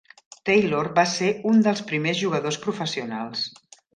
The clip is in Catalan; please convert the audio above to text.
Taylor va ser un dels primers jugadors professionals.